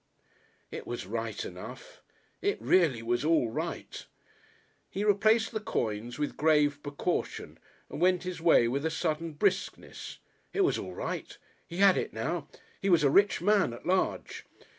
It was right enough. It really was all right. He replaced the coins with grave precaution and went his way with a sudden briskness. It was all right he had it now he was a rich man at large.